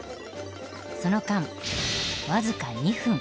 その間僅か２分。